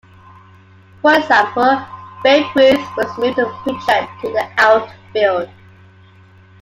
For example, Babe Ruth was moved from pitcher to the outfield.